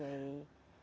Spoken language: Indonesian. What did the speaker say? apakah berdosa kiyai